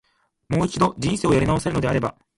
もう一度、人生やり直せるのであれば、